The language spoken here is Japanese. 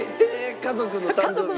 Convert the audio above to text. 家族の誕生日に？